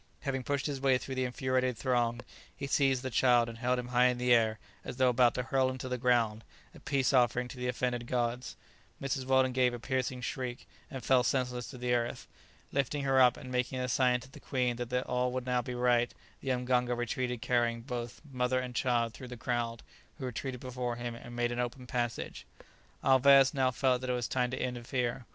Having pushed his way through the infuriated throng, he seized the child and held him high in the air, as though about to hurl him to the ground, a peace offering to the offended gods. [Illustration: "Here they are, captain! both of them!!"] Mrs. Weldon gave a piercing shriek, and fell senseless to the earth. Lifting her up, and making a sign to the queen that all would now be right, the mganga retreated carrying both mother and child through the crowd, who retreated before him and made an open passage. Alvez now felt that it was time to interfere.